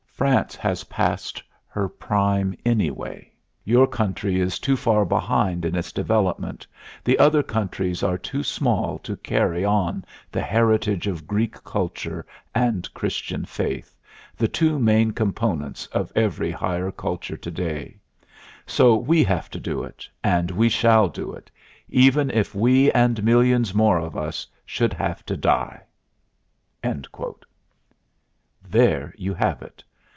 France has passed her prime anyway, your country is too far behind in its development, the other countries are too small to carry on the heritage of Greek culture and Christian faith the two main components of every higher culture to day; so we have to do it, and we shall do it even if we and millions more of us should have to die." There you have it!